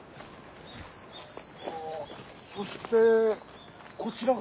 そしてこちらが。